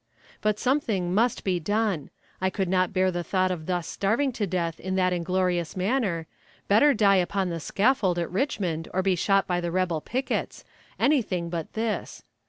But something must be done; I could not bear the thought of thus starving to death in that inglorious manner; better die upon the scaffold at Richmond, or be shot by the rebel pickets; anything but this.